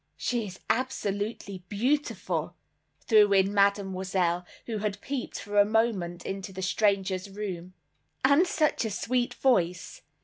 "She is absolutely beautiful," threw in Mademoiselle, who had peeped for a moment into the stranger's room. "And such a sweet voice!"